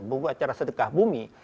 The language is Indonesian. upacara sedekah bumi